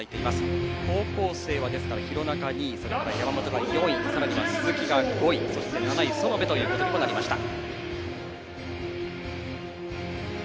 高校生は弘中２位山本が４位さらには鈴木が５位そして７位、園部という結果になりました。